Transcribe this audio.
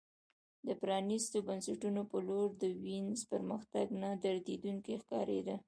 د پرانیستو بنسټونو په لور د وینز پرمختګ نه درېدونکی ښکارېده